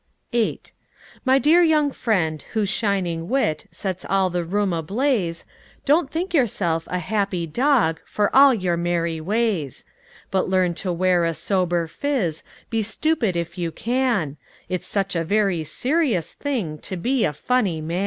VIII My dear young friend, whose shining wit Sets all the room ablaze, Don't think yourself "a happy dog," For all your merry ways; But learn to wear a sober phiz, Be stupid, if you can, It's such a very serious thing To be a funny man!